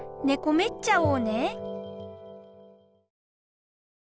めっちゃおうね。